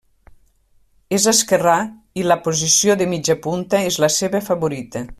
És esquerrà, i la posició de mitja punta és la seva favorita.